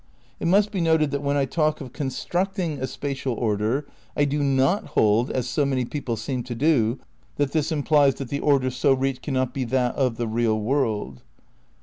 It must be noted that when I talk of 'constructing' a spatial order I do not hold, as so many people seem to do, that this implies that the order so reached cannot be that of the real world."